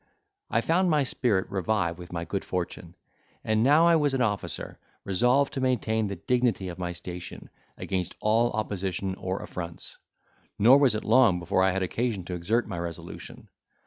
I found my spirit revive with my good fortune; and, now I was an officer, resolved to maintain the dignity of my station, against all opposition or affronts; nor was it long before I had occasion to exert my resolution.